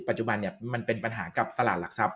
ปัจจุบันมันเป็นปัญหากับตลาดหลักทรัพย